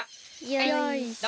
よいしょ。